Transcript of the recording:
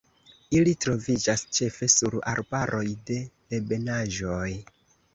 Ili troviĝas ĉefe sur arbaroj de ebenaĵoj.